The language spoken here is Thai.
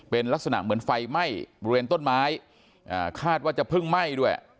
เป็นลักษณะเหมือนไฟไหม้บริเวณต้นไม้คาดว่าจะเพิ่งไหม้ด้วย